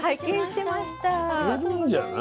いけるんじゃない？